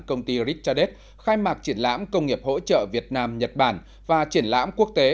công ty richardet khai mạc triển lãm công nghiệp hỗ trợ việt nam nhật bản và triển lãm quốc tế